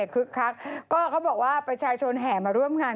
เค้าบอกว่าประชาชนแห่มาร่วมงาน